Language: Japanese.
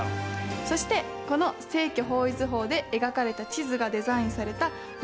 そしてこの正距方位図法で描かれた地図がデザインされた有名な旗。